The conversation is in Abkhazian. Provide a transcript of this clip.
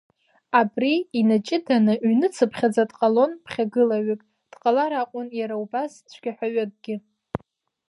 Абри инаҷыданы ҩныцыԥхьаӡа дҟалон ԥхьагылаҩык, дҟалар акәын иара убас цәгьаҳәаҩыкгьы.